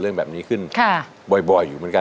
เรื่องแบบนี้ขึ้นบ่อยอยู่เหมือนกัน